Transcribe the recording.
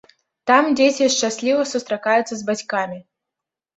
Там дзеці шчасліва сустракаюцца з бацькамі.